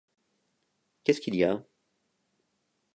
Qu'est-ce qu'il y a ?